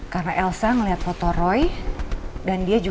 karena teror itu elsa sampai stress dan histeris